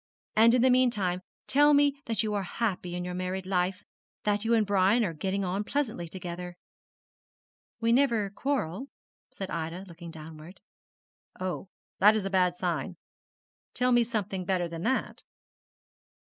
And in the meantime tell me that you are happy in your married life, that you and Brian are getting on pleasantly together.' 'We never quarrel,' said Ida, looking downward. 'Oh, that is a bad sign. Tell me something better than that.'